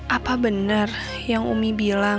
apa benar yang umi bilang